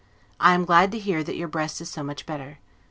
I am glad to hear that your breast is so much better.